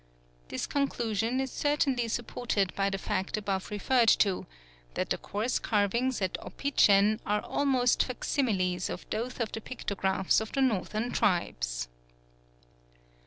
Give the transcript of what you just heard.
This conclusion is certainly supported by the fact above referred to, that the coarse carvings at Opichen are almost facsimiles of those of the pictographs of the Northern tribes.